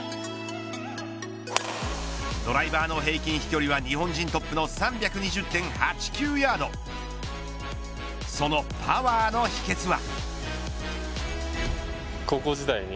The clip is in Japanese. ドライバーの平均飛距離は日本人トップの３２０．８９ヤードそのパワーの秘けつは。